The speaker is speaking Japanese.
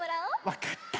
わかった。